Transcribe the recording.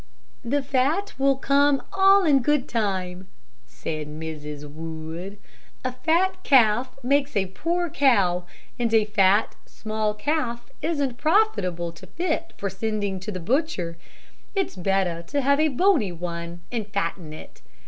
"The fat will come all in good time," said Mrs. Wood. "A fat calf makes a poor cow, and a fat, small calf isn't profitable to fit for sending to the butcher. It's better to have a bony one and fatten it.